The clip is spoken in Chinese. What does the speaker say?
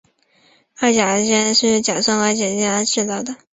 二甲基甲醯胺是利用甲酸和二甲基胺制造的。